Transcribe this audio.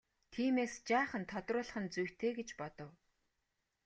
Тиймээс жаахан тодруулах нь зүйтэй гэж бодов.